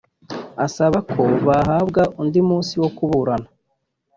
asaba ko bahabwa undi munsi wo kuburana